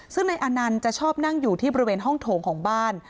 ซึ่งนายอานันต์จะชอบนั่งอยู่ที่บริเวณห้องโถงของบ้าน